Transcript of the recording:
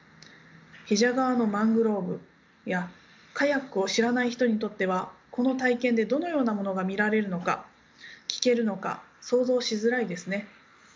比謝川のマングローブやカヤックを知らない人にとってはこの体験でどのようなものが見られるのか聞けるのか想像しづらいですね。